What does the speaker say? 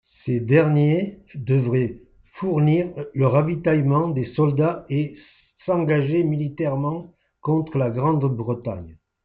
Ces derniers devaient fournir le ravitaillement des soldats et s'engager militairement contre la Grande-Bretagne.